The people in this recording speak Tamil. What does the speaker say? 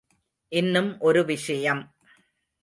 இன்னும் ஒரு விஷயம்.